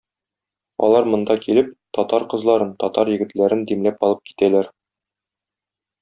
Алар монда килеп, татар кызларын, татар егетләрен димләп алып китәләр.